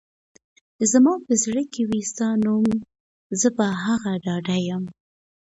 زما په زړه کي وي ستا نوم ، زه په هغه ډاډه يم